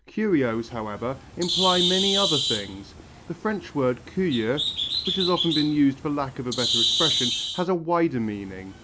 Curios, however, imply many other things. The French word curieux, which has often been used for lack of a better expression, has a wider meaning.